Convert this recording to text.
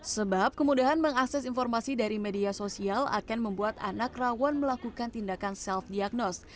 sebab kemudahan mengakses informasi dari media sosial akan membuat anak rawan melakukan tindakan self diagnos